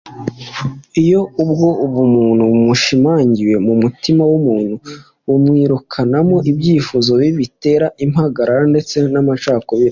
iyo ubwo buntu bushimangiwe mu mutima w’umuntu, buwirukanamo ibyifuzo bibi bitera impagarara ndetse n’amacakubiri